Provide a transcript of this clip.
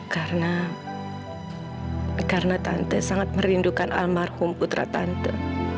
karena karena tante sangat merindukan almarhum putra tante